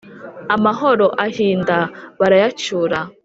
amahoro ahinda barayacyura